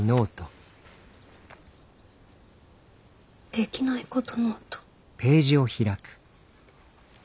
「できないことノート」。